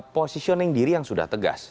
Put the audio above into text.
positioning diri yang sudah tegas